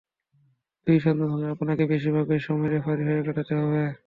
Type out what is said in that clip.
দুই সন্তান হলে আপনাকে বেশির ভাগ সময়ই রেফারি হয়ে কাটাতে হবে।